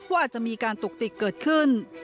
ว่าอาจจะมีการตุกติกเกิดขึ้น